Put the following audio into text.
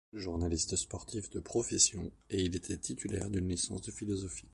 Journaliste sportif de profession et il était titulaire d'une licence de philosophie.